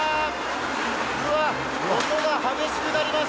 うわ、音が激しくなります。